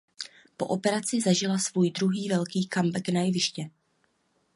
Po operaci zažila svůj druhý velký comeback na jeviště.